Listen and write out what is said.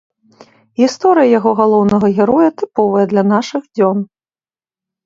Гісторыя яго галоўнага героя тыповая для нашых дзён.